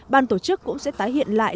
ban tổ chức cũng sẽ tái hiện lại